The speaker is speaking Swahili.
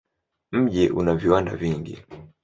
Mji una viwanda vingi.